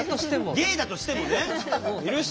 ゲイだとしてもねいるし。